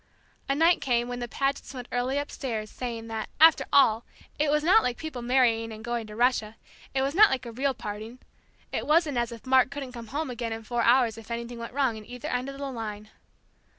A night came when the Pagets went early upstairs, saying that, after all, it was not like people marrying and going to Russia; it was not like a real parting; it wasn't as if Mark couldn't come home again in four hours if anything went wrong at either end of the line.